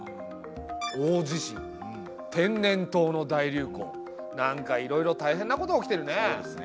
大地震天然痘の大流行なんかいろいろたいへんなことが起きてるね。